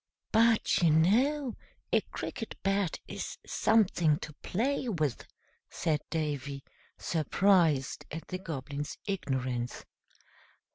"But, you know, a Cricket Bat is something to play with!" said Davy, surprised at the Goblin's ignorance.